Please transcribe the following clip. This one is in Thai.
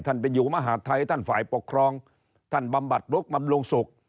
ไปอยู่มหาดไทยท่านฝ่ายปกครองท่านบำบัดลุกบำรุงสุข